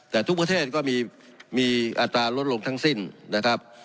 แต่ทุกประเทศก็มีอัตราลดลงทั้งสิ้นนะครับ